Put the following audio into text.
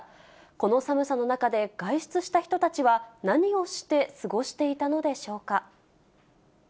この寒さの中で外出した人たちは、何をして過ごしていたのでしょうか。